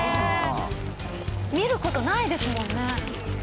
見る事ないですもんね。